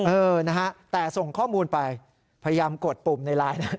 เออนะฮะแต่ส่งข้อมูลไปพยายามกดปุ่มในไลน์นะ